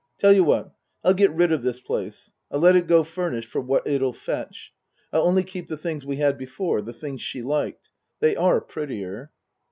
" Tell you what I'll get rid of this place. I'll let it go furnished for what it'll fetch. I'll only keep the things we had before the things she liked. They are prettier."